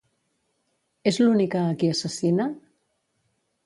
És l'única a qui assassina?